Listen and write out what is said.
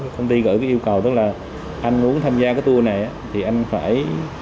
công ty gửi cái yêu cầu tức là anh muốn tham gia cái tour này thì anh phải